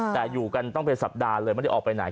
แต่อยู่กันต้องเป็นสัปดาห์เลยไม่ได้ออกไปไหน